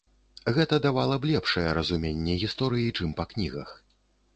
Гэта давала б лепшае разуменне гісторыі, чым па кнігах.